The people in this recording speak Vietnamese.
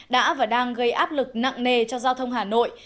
đã và đang gây áp lực nặng nề cho giao thông hà nội